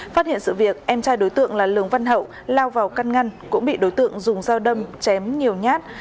phát hiện sự việc em trai đối tượng là lường văn hậu lao vào căn ngăn cũng bị đối tượng dùng dao đâm chém nhiều nhát